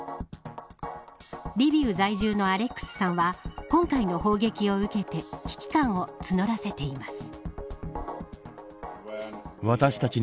リビウ在住のアレックスさんは今回の砲撃を受けて危機感を募らせています。